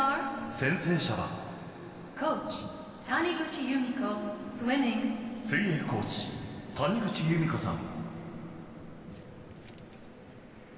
宣誓者は水泳コーチ、谷口裕美子さん。